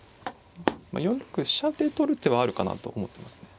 ４六飛車で取る手はあるかなと思ってますね。